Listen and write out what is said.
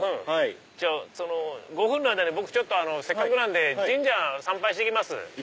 じゃあその５分の間に僕せっかくなんで神社参拝してきます。